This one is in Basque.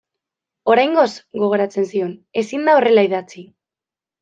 Oraingoz, gogoratzen zion, ezin da horrela idatzi.